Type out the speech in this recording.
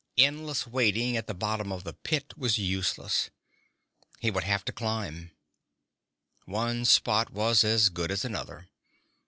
Endlessly wading at the bottom of the pit was useless. He would have to climb. One spot was as good as another.